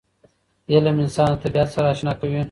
علم انسان له طبیعت سره اشنا کوي.